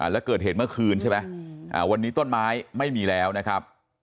แล้วเกิดเหตุเมื่อคืนใช่ไหมวันนี้ต้นไม้ไม่มีแล้วนะครับ